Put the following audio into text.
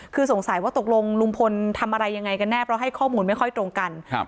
คือสงสัยว่าตกลงลุงพลทำอะไรยังไงกันแน่เพราะให้ข้อมูลไม่ค่อยตรงกันครับ